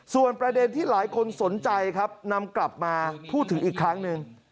ส่วนประเด็นที่หลายคนสนใจครับนำกลับมาพูดถึงอีกครั้งหนึ่ง